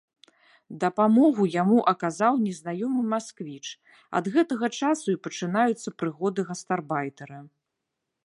Дапамогу яму аказаў незнаёмы масквіч, ад гэтага часу і пачынаюцца прыгоды гастарбайтэра.